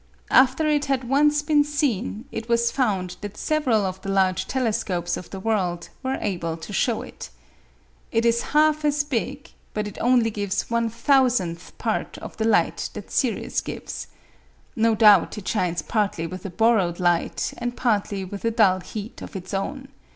After it had once been seen, it was found that several of the large telescopes of the world were able to show it. It is half as big, but it only gives 1/10000th part of the light that Sirius gives. No doubt it shines partly with a borrowed light and partly with a dull heat of its own.